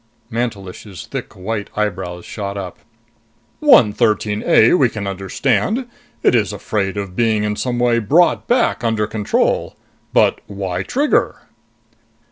_" Mantelish's thick white eyebrows shot up. "113 A we can understand it is afraid of being in some way brought back under control. But why Trigger?"